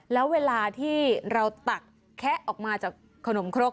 แล้วเวลาที่เราตักแคะออกมาจากขนมครก